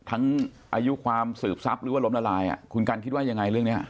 อายุความสืบทรัพย์หรือว่าล้มละลายคุณกันคิดว่ายังไงเรื่องนี้